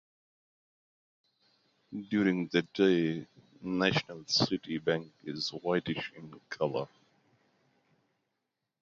During the day, National City Bank is whitish in color.